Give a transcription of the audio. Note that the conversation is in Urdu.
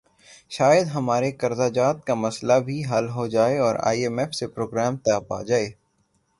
شاید ہمارے قرضہ جات کا مسئلہ بھی حل ہو جائے اور آئی ایم ایف سے پروگرام طے پا جائے۔